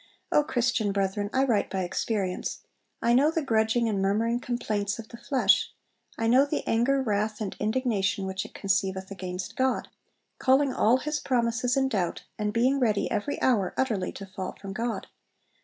O Christian brethren, I write by experience ... I know the grudging and murmuring complaints of the flesh; I know the anger, wrath, and indignation which it conceiveth against God, calling all his promises in doubt, and being ready every hour utterly to fall from God.